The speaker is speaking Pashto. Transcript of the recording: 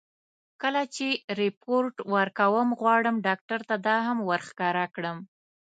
کله چې رېپورټ ورکوم، غواړم ډاکټر ته دا هم ور ښکاره کړم.